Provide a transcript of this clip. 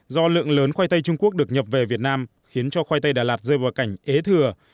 do lượng lớn khoai tây trung quốc được nhập về việt nam khiến cho khoai tây đà lạt rơi vào cảnh ế thừa